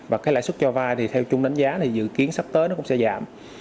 và lãi suất cho vai thì theo chung đánh giá thì dự kiến sắp tới nó cũng sẽ giảm